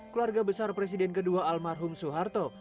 keluarga besar presiden kedua almarhum soeharto